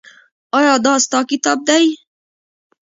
ایا دا ستا کتاب دی؟